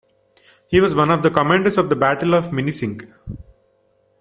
He was one of the commanders of the Battle of Minisink.